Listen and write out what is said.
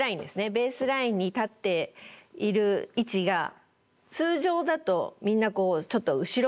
ベースラインに立っている位置が通常だとみんなちょっと後ろに下がっているんですね。